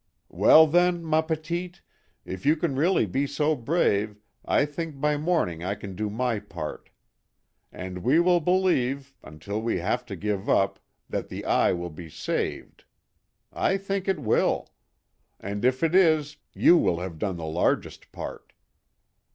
" Well, then, ma petite, if you can really be so brave, I think by morning I can do my part. And we will believe, until we have to give up, that the eye will be saved. I think it will. And if it is, you will have done the largest part."